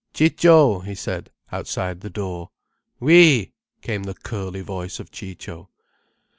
"Ciccio," he said, outside the door. "Oui!" came the curly voice of Ciccio.